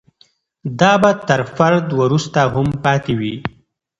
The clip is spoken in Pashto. دا به تر فرد وروسته هم پاتې وي.